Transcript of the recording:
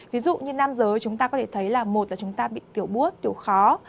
ví dụ như nam giới chúng ta có thể thấy là một là chúng ta bị tiểu buốt tiểu khó